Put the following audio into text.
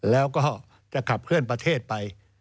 แล้วก็จะขับเคลื่อนประเทศไป